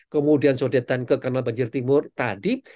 kemudian sodetan ke kanal banjir timur tadi